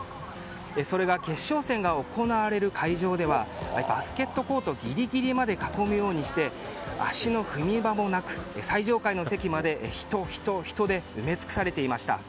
それが決勝戦が行われる会場ではバスケットコートギリギリまで囲むようにして足の踏み場もなく最上階の席まで人、人、人で埋め尽くされていました。